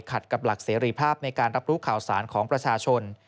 กับหลักเสรีภาพในการรับรู้ข่าวสารของประชาชน